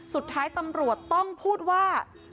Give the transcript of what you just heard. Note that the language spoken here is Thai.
สุดท้ายตำรวจต้องพูดว่า